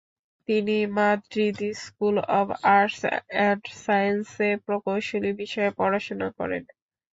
তিনি Madrid school of arts and সায়েন্সেসে প্রকৌশল বিষয়ে পড়াশোনা করেন।